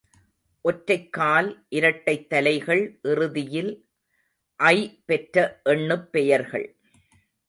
ஒற்றைக் கால், இரட்டைத் தலைகள் இறுதியில் ஐ பெற்ற எண்ணுப் பெயர்கள்.